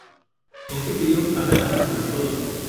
Este crío habla hasta por los codos